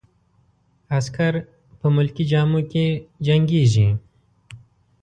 عسکر په ملکي جامو کې جنګیږي.